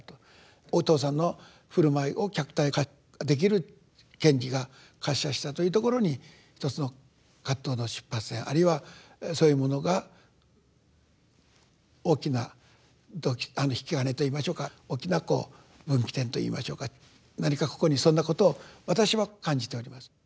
お父さんの振る舞いを客体化できる賢治が活写したというところにひとつの葛藤の出発点あるいはそういうものが大きな動機引き金といいましょうか大きなこう分岐点といいましょうか何かここにそんなことを私は感じております。